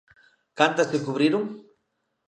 ¿Cantas se cubriron?